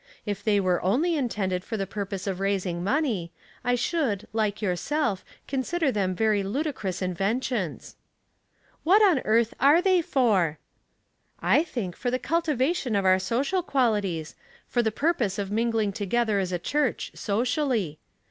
If they were only intended for the purpose of raising money, I should, like yourself, consider them very ludicrous inventions." " What on earth are ihey for ?""/ think for the cultivation of our social qualities, for the purpose of mingling together as a church socially.